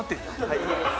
はい。